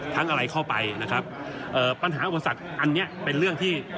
อะไรเข้าไปนะครับเอ่อปัญหาอุปสรรคอันเนี้ยเป็นเรื่องที่